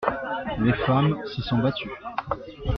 Les femmes se sont battues.